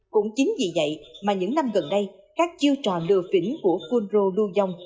cũng chính vì vậy mà những năm gần đây các chiêu trò lừa phỉnh của phun rô lưu vong